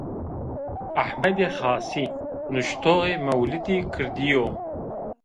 Ehmedê Xasî, nuştoxê Mewlidê Kirdî yo.